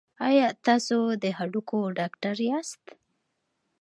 ایا تاسو د هډوکو ډاکټر یاست؟